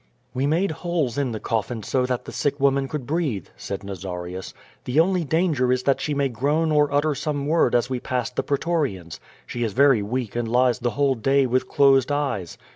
"We made holes in the coffin so that the sick woman could breathe," said Nazarius; "the only danger is that she may groan or utter some word as we pass the pretorians. She is very weak and lies the whole day with closed eyes.